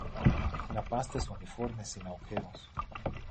La pasta es uniforme, sin agujeros.